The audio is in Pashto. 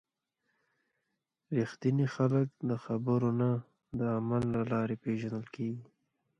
رښتیني خلک د خبرو نه، د عمل له لارې پیژندل کېږي.